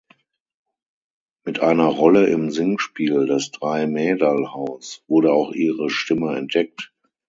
Mit einer Rolle im Singspiel "Das Dreimäderlhaus" wurde auch ihre Stimme entdeckt.